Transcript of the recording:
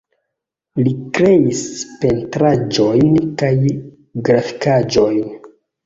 Li kreis pentraĵojn kaj grafikaĵojn.